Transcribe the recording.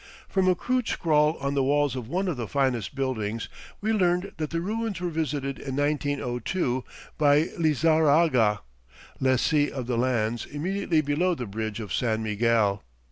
From a crude scrawl on the walls of one of the finest buildings, we learned that the ruins were visited in 1902 by Lizarraga, lessee of the lands immediately below the bridge of San Miguel.